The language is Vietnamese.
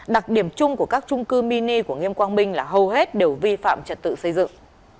đặc điểm chung của các trung cư mini của nghiêm quang minh là hầu hết đều vi phạm trật tự xây dựng